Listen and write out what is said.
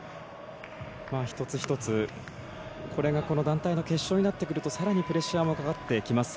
一つ一つ、これがこの団体の決勝になってきますとさらにプレッシャーもかかってきます。